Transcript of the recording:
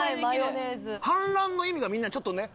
反乱の意味がみんなちょっとね